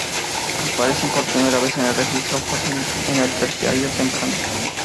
Aparecen por primera vez en el registro fósil en el Terciario temprano.